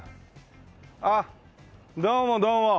あっどうもどうも。